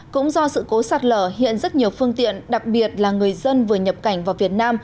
cũng do sự cố sạt lở hiện rất nhiều phương tiện đặc biệt là người dân vừa nhập cảnh vào việt nam